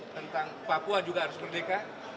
tentang papua juga harus merdeka